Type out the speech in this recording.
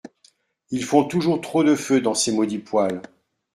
Ils font toujours trop de feu dans ces maudits poêles.